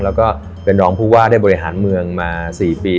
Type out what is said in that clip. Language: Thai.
แล้วก็เป็นรองผู้ว่าได้บริหารเมืองมา๔ปี